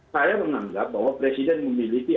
saya menganggap bahwa presiden memiliki